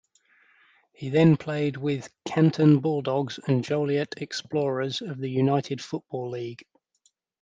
He then played with Canton Bulldogs and Joliet Explorers of the United Football League.